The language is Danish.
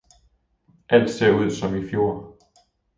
Alt ser ud, som i fjor!